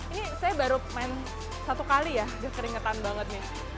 ini saya baru main satu kali ya keringetan banget nih